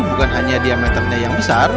bukan hanya diameternya yang besar